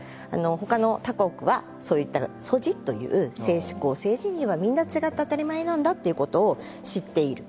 他の他国はそういったＳＯＧＩという性指向・性自認はみんな違って当たり前なんだっていうことを知っている。